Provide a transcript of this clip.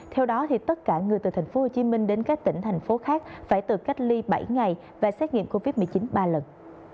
theo đó tất cả người từ tp hcm đến các tỉnh thành phố khác phải tự cách ly bảy ngày và xét nghiệm covid một mươi chín ba lần